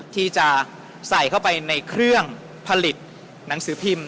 ที่จะใส่เข้าไปในเครื่องผลิตหนังสือพิมพ์